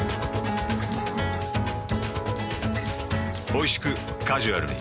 おいしくカジュアルに。